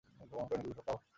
ভ্রমণ কয়েনগুলো ঢোকাও।